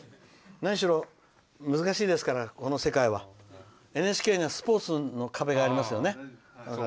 何しろ難しいですからこの世界は。ＮＨＫにはスポーツの壁がありますよね。